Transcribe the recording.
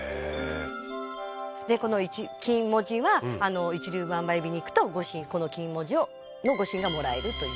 「でこの金文字は一粒万倍日に行くとこの金文字の御朱印がもらえるという」